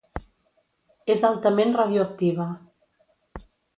És altament radioactiva.